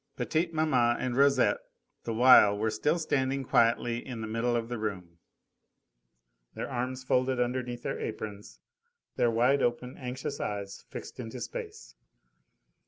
Petite maman and Rosette the while were still standing quietly in the middle of the room, their arms folded underneath their aprons, their wide open, anxious eyes fixed into space.